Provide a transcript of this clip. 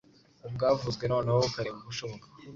ubwavuzwe noneho ukareba ubushoboka